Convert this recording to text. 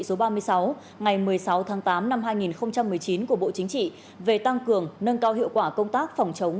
số ba mươi sáu ngày một mươi sáu tháng tám năm hai nghìn một mươi chín của bộ chính trị về tăng cường nâng cao hiệu quả công tác phòng chống